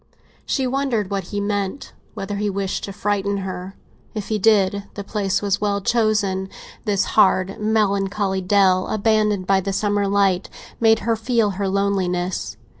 She wondered what he meant—whether he wished to frighten her. If he did, the place was well chosen; this hard, melancholy dell, abandoned by the summer light, made her feel her loneliness.